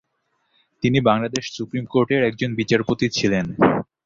তিনি বাংলাদেশ সুপ্রিম কোর্টের একজন বিচারপতি ছিলেন।